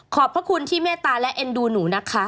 พระคุณที่เมตตาและเอ็นดูหนูนะคะ